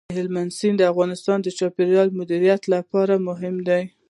هلمند سیند د افغانستان د چاپیریال د مدیریت لپاره مهم دی.